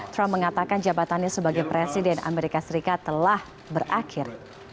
trump mengatakan jabatannya sebagai presiden amerika serikat telah berakhir